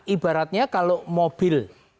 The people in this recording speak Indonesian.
ibaratnya kalau mobil